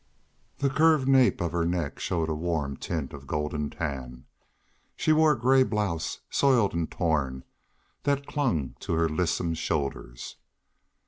The curved nape of her neck showed a warm tint of golden tan. She wore a gray blouse, soiled and torn, that clung to her lissome shoulders.